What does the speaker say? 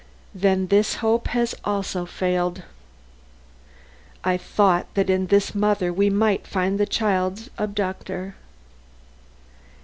"Then this hope has also failed. I thought that in this mother, we might find the child's abductor."